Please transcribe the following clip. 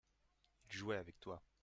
il jouait avec toi.